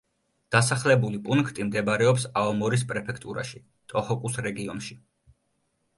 დასახლებული პუნქტი მდებარეობს აომორის პრეფექტურაში, ტოჰოკუს რეგიონში.